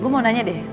gue mau nanya deh